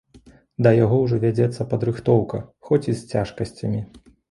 Да яго ўжо вядзецца падрыхтоўка, хоць і з цяжкасцямі.